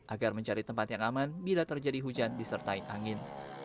agar mencari tempat yang aman bila terjadi hujan disertai angin